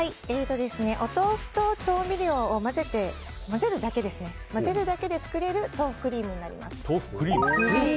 お豆腐と調味料を混ぜるだけで作れる豆腐クリームになります。